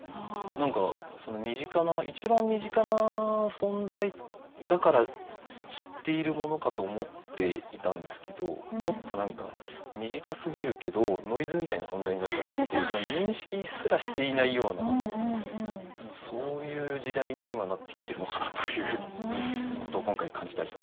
何か身近な一番身近な存在だから知っているものかと思っていたんですけどもっと身近すぎるけどノイズみたいな存在になっちゃっててもう認識すらしていないようなそういう時代に今なってきてるのかなということを今回感じたりしましたね。